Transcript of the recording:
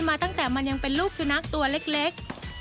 มาตั้งแต่มันยังเป็นลูกสุนัขตัวเล็ก